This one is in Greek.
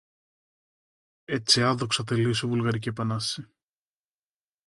Έτσι άδοξα τελείωσε η βουλγαρική επανάσταση